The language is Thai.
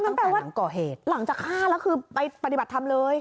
มันแปลว่าหลังจากฆ่าแล้วคือไปปฏิบัติธรรมเลย